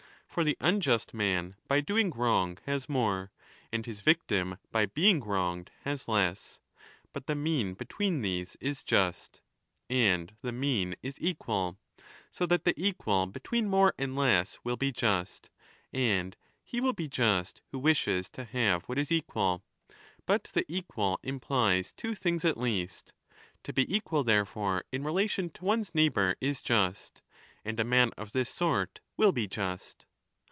For the unjust man by doing wrong has more, and his victim by being wronged has less ; but the mean between these is just. And the mean is equal. So that the equal between more and less will be just, and he will be just who wishes to have what is 30 3 1 S = E. X. 1 1 29* 26 * 1 . 1 9 32 = E. .y. 1 1 29* 32 '' 10, liSi'* 10 15. b 1193" . MAGNA MORALIA equal. But the equal implies two things at least. To be equal therefore in relation to one's neighbour is just, and a man of this sort will be just.